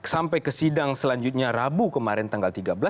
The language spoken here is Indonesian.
jam selanjutnya rabu kemarin tanggal tiga belas